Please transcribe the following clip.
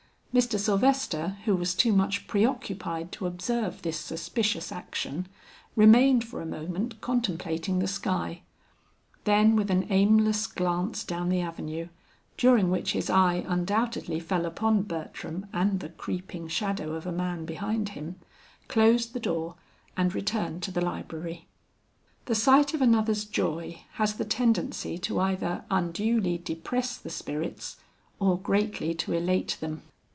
Mr. Sylvester, who was too much pre occupied to observe this suspicious action, remained for a moment contemplating the sky; then with an aimless glance down the avenue, during which his eye undoubtedly fell upon Bertram and the creeping shadow of a man behind him, closed the door and returned to the library. The sight of another's joy has the tendency to either unduly depress the spirits or greatly to elate them.